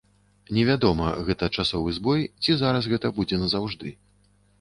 Невядома, гэта часовы збой ці зараз гэта будзе назаўжды.